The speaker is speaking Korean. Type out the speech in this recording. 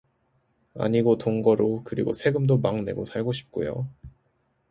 아니고 동거로 그리고 세금도 막내고 살고 싶고요